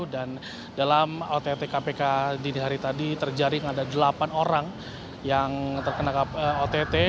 dan dalam ott kpk dini hari tadi terjadi ada delapan orang yang terkena ott